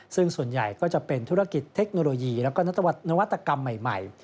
ซึ่งส่วนใหญ่ก็จะเป็นธุรกิจเทคโนโลยีและนวัตกรรมใหม่